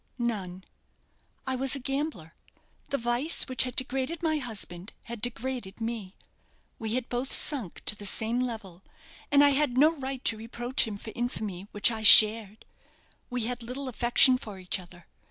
"None. I was a gambler; the vice which had degraded my husband had degraded me. We had both sunk to the same level, and I had no right to reproach him for infamy which I shared. We had little affection for each other.